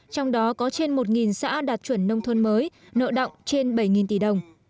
trong đó có trên một xã đạt chuẩn nông thôn mới nợ động trên bảy tỷ đồng